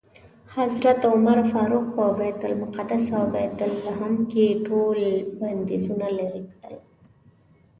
حضرت عمر فاروق په بیت المقدس او بیت لحم کې ټول بندیزونه لرې کړل.